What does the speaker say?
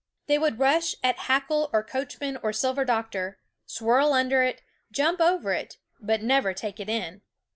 They would rush at Hackle or Coachman or Silver Doctor, swirl under it, jump over it, but never take it in.